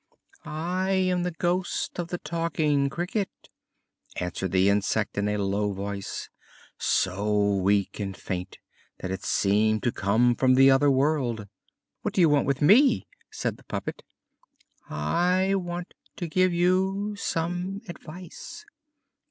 "I am the ghost of the Talking Cricket," answered the insect in a low voice, so weak and faint that it seemed to come from the other world. "What do you want with me?" said the puppet. "I want to give you some advice.